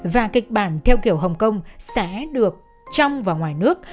và kịch bản theo kiểu hồng kông sẽ được trong và ngoài nước